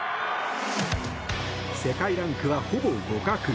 世界ランクは、ほぼ互角。